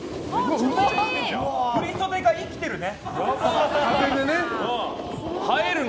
振り袖が生きてるね。